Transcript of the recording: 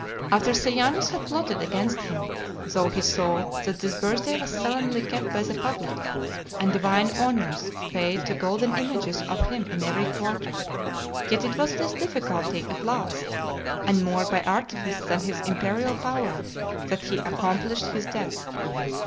LXV. After Sejanus had plotted against him, though he saw that his birth day was solemnly kept by the public, and divine honours paid to golden images of him in every quarter, yet it was with difficulty at last, and more by artifice than his imperial power, that he accomplished his death.